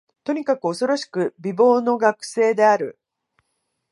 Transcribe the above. とにかく、おそろしく美貌の学生である